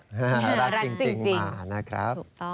น่ารักจริงมานะครับ